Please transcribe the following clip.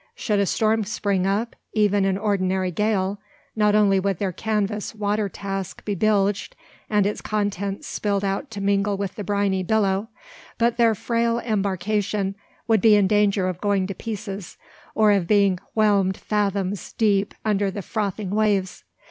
Should a storm spring up, even an ordinary gale, not only would their canvas water cask be bilged, and its contents spilled out to mingle with the briny billow, but their frail embarkation would be in danger of going to pieces, or of being whelmed fathoms deep under the frothing waves.